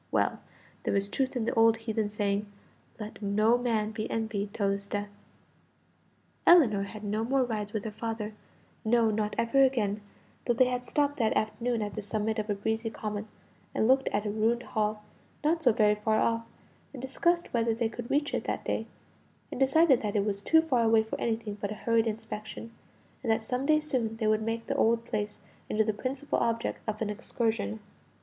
. Well, there was truth in the old heathen saying, "Let no man be envied till his death." Ellinor had no more rides with her father; no, not ever again; though they had stopped that afternoon at the summit of a breezy common, and looked at a ruined hall, not so very far off; and discussed whether they could reach it that day, and decided that it was too far away for anything but a hurried inspection, and that some day soon they would make the old place into the principal object of an excursion.